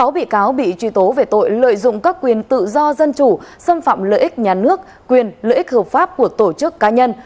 sáu bị cáo bị truy tố về tội lợi dụng các quyền tự do dân chủ xâm phạm lợi ích nhà nước quyền lợi ích hợp pháp của tổ chức cá nhân